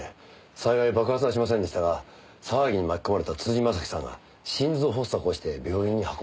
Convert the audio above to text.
幸い爆発はしませんでしたが騒ぎに巻き込まれた辻正樹さんが心臓発作を起こして病院に運ばれました。